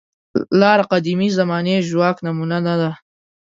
لاره قدیمې زمانې ژواک نمونه نه ده.